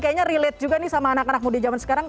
kayaknya relate juga nih sama anak anak muda zaman sekarang